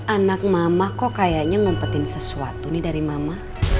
anak mama kok kayaknya nmpetin sesuatu nih dari mama